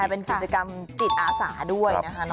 เป็นกิจกรรมจิตอาสาด้วยนะคะ